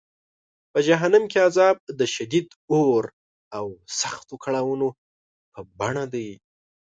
په جهنم کې عذاب د شدید اور او سختو کړاوونو په بڼه دی.